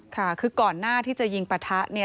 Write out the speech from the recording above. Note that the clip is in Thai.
ค่ะคือก่อนหน้าที่จะยิงปะทะเนี่ย